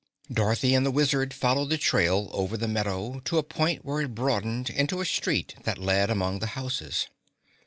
Dorothy and the Wizard followed the trail over the meadow to a point where it broadened into a street that led among the houses.